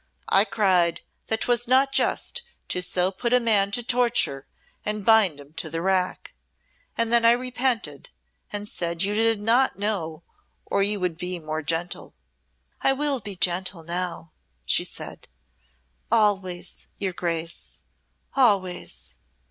I cried that 'twas not just to so put a man to torture and bind him to the rack. And then I repented and said you did not know or you would be more gentle." "I will be gentle now," she said, "always, your Grace, always."